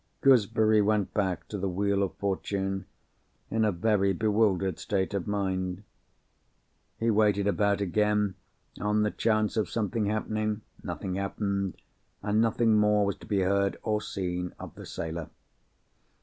Gooseberry went back to 'The Wheel of Fortune' in a very bewildered state of mind. He waited about again, on the chance of something happening. Nothing happened; and nothing more was to be heard, or seen, of the sailor.